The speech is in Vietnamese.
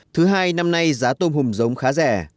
thứ hai năm nay giá tôm hùm giống khá rẻ